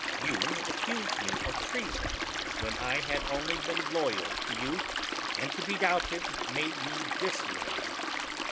You accused me of treason when I had only been loyal to you, and to be doubted, made me dis loyal.